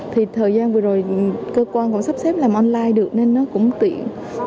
thì thời gian vừa rồi cơ quan còn sắp xếp làm online được nên nó cũng tiện